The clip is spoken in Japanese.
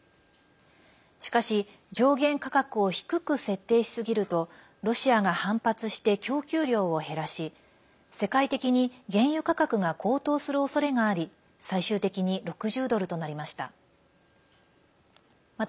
しかし、上限価格を低く設定しすぎるとロシアが反発して供給量を減らし世界的に原油価格が高騰するおそれがあり最終的に６０ドルとなりました。